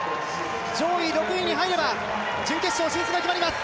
上位６位に入れば準決勝進出が決まります。